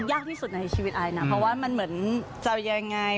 ยากที่สุดในชีวิตไอนะเพราะว่ามันเหมือนจะเอายังไง